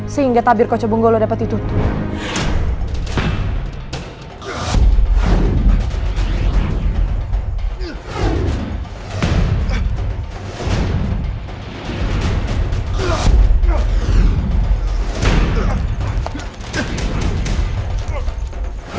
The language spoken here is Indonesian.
sehingga tabir kocobonggolo dapat ditutup